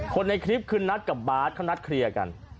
คนในคลิปคือนัทกับบาทเขานัดเคลียร์กัน